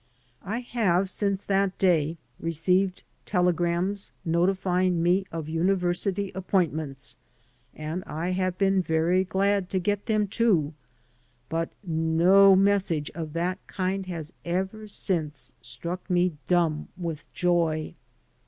I have since that day received telegran[is notifying me of imiversity appoint ments, and I have been very glad to get them, too, but no message of that kind has ever since struck me dumb with joy.